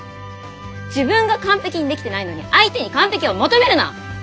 自分が完璧にできてないのに相手に完璧を求めるな！